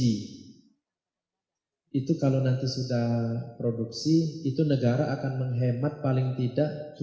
hai itu kalau nanti sudah produksi itu negara akan menghemat paling tidak